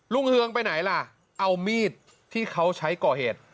เฮืองไปไหนล่ะเอามีดที่เขาใช้ก่อเหตุ